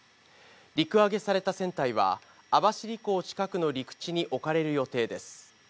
陸揚げされた船体は網走港近くの陸地に置かれる予定です。